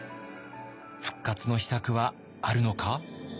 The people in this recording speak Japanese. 復活の秘策はあるのか？